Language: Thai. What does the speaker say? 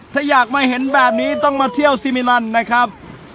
ถ้าอยากมาเห็นแบบนี้ต้องมาเที่ยวซิมิลันนะครับ